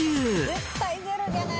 絶対ゼロじゃない。